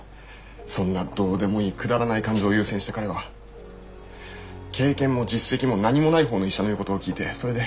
そんなどうでもいいくだらない感情を優先して彼は経験も実績も何もない方の医者の言うことを聞いてそれで。